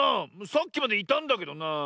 さっきまでいたんだけどなあ。